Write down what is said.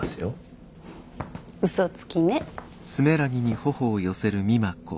うそつきね。